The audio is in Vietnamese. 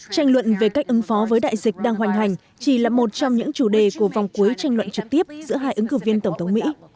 tranh luận về cách ứng phó với đại dịch đang hoành hành chỉ là một trong những chủ đề của vòng cuối tranh luận trực tiếp giữa hai ứng cử viên tổng thống mỹ